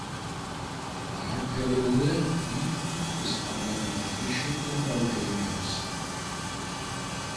Wahlperiode Mitglied des Parlamentarischen Kontrollgremiums.